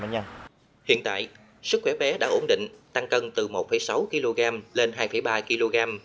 hiện tại sức khỏe bé đã ổn định tăng cân từ một sáu kg lên hai ba kg